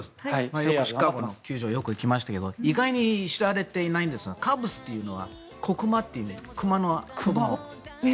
シカゴの球場よく行きましたけど意外に知られていませんがカブスというのは子グマという意味。